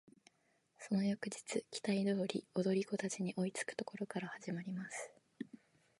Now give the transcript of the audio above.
その翌日期待通り踊り子達に追いつく処から始まります。